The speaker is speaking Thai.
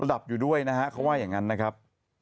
หลับอยู่ด้วยนะฮะเขาว่าอย่างนั้นนะครับ